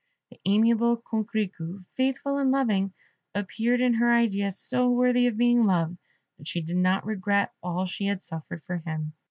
The amiable Coquerico, faithful and loving, appeared in her idea so worthy of being loved, that she did not regret all she had suffered for him.